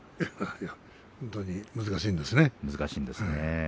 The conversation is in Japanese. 本当に難しいんですね。